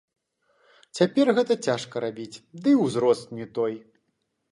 Цяпер гэта цяжка рабіць, ды і ўзрост не той.